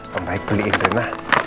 pembaik beliin rena